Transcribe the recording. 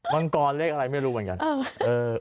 มังกรเลขอะไรไม่รู้เหมือนกัน